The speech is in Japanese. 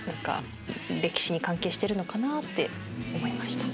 歴史に関係してるのかなって思いました。